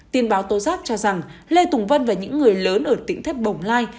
tin báo tố giác cho rằng lê tùng vân và những người lớn ở tỉnh thất bồng lai